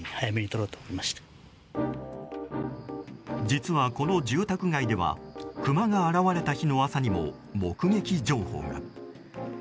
実はこの住宅街ではクマが現れた日の朝にも目撃情報が。